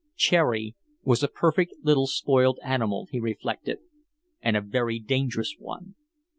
Cherry was a perfect little spoiled animal, he reflected, and a very dangerous one.